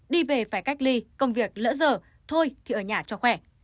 đi về phải cách ly công việc lỡ dở thôi thì ở nhà cho khỏe